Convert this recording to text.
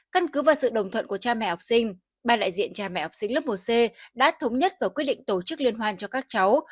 căn cứ và sự đồng thuận của cha mẹ học sinh ba đại diện cha mẹ học sinh lớp một c đã thống nhất và quyết định tổ chức liên hoan cho các cháu